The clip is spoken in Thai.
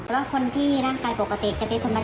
แล้วคนที่ร่างกายปกติจะเป็นคนมา